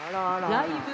ライブ。